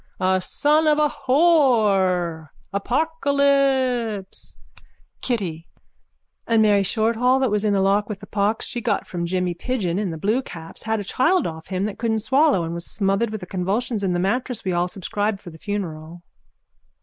_ A son of a whore. Apocalypse. KITTY: And Mary Shortall that was in the lock with the pox she got from Jimmy Pidgeon in the blue caps had a child off him that couldn't swallow and was smothered with the convulsions in the mattress and we all subscribed for the funeral.